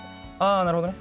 ああなるほどね。